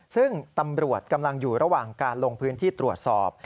ซึ่งตำรวจกำลังอยู่ระหว่างการลงพื้นที่ตรวจสอบ